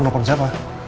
nggak ada di jakarta